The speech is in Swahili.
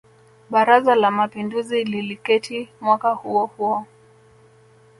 Baraza la Mapinduzi liliketi mwaka huo huo